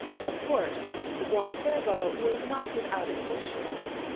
Of course, the Buon Servo was not without its horseshoe.